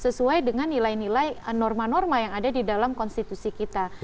sesuai dengan nilai nilai norma norma yang ada di dalam konstitusi kita